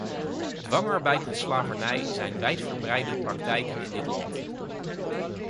Dwangarbeid en slavernij zijn wijd verbreide praktijken in dit land.